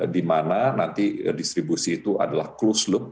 di mana nanti distribusi itu adalah close loop